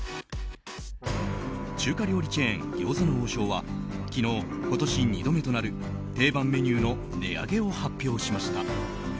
中華料理チェーン餃子の王将は昨日、今年２度目となる定番メニューの値上げを発表しました。